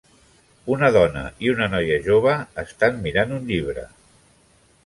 Una dona i una noia jove estan mirant un llibre.